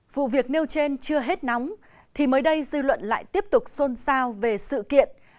vụ việc nêu trên chưa hết nóng thì mới đây dư luận lại tiếp tục xôn xao về sự kiện